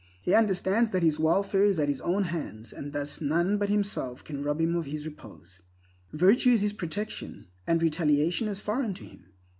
He understands that his welfare is at his own hands, and thus none but himself can rob him of repose. Virtue is his protection, and retaliation is foreign to him.